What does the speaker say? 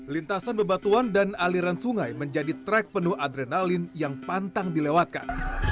lintasan bebatuan dan aliran sungai menjadi trek penuh adrenalin yang pantang dilewatkan